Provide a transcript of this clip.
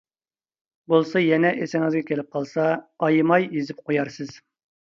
بولسا يەنە ئېسىڭىزگە كېلىپ قالسا ئايىماي يېزىپ قويارسىز.